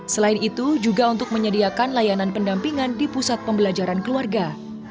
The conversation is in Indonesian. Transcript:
selain itu juga untuk menyediakan layanan pendampingan di pusat pembelajaran keluarga